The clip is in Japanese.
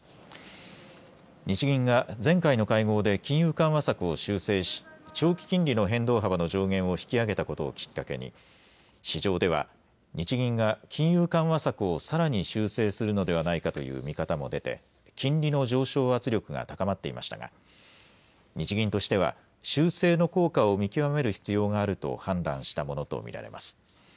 日銀が前回の会合で金融緩和策を修正し長期金利の変動幅の上限を引き上げたことをきっかけに市場では日銀が金融緩和策をさらに修正するのではないかという見方も出て金利の上昇圧力が高まっていましたが、日銀としては修正の効果を見極める必要があると判断したものと見られます。